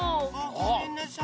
ごめんなさい。